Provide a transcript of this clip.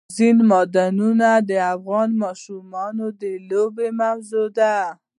اوبزین معدنونه د افغان ماشومانو د لوبو موضوع ده.